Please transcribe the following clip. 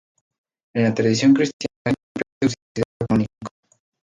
En la tradición cristiana siempre ha sido considerado canónico.